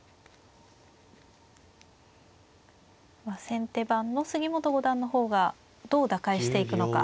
先手番の杉本五段の方がどう打開していくのか。